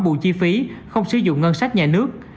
bù chi phí không sử dụng ngân sách nhà nước